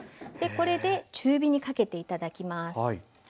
これで中火にかけて頂きます。